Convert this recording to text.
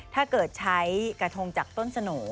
ถ้าเกิดใช้กระทงจากต้นสโหน่